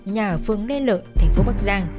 nhà ở phường lê lợi thành phố bắc giang